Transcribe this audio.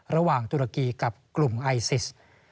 ระหว่างตุรกีกับกลุ่มไอซิส